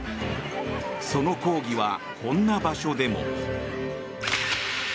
その抗議はこんな場所でも。